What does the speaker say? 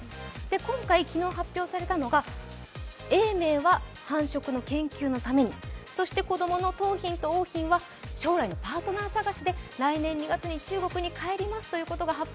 今回、昨日発表されたのが永明は繁殖の研究のためにそして子供の桃浜と桜浜は将来のパートナー探しで来年２月に中国に帰りますということが発表